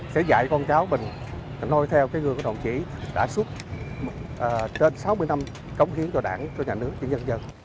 sẽ dạy con cháu mình nôi theo cái gương của đồng chí đã suốt trên sáu mươi năm cống khiến cho đảng cho nhà nước cho dân dân